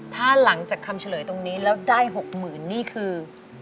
ถ้าหลังจากคำเฉลยตรงนี้แล้วได้๖๐๐๐นี่คือ